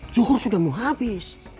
suhur udah mau habis